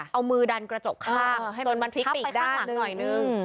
เอามือดันกระจกข้างจนมันพลิกไปข้างหลังหน่อยหนึ่ง